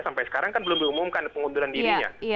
sampai sekarang kan belum diumumkan pengunduran dirinya